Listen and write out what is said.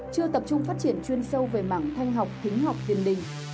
chưa tập trung phát triển chuyên sâu về mảng thanh học thính học kiên đình